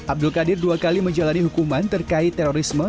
abdul qadir dua kali menjalani hukuman terkait terorisme